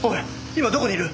今どこにいる？